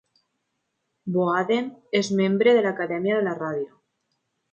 Boaden és membre de l'Acadèmia de la ràdio.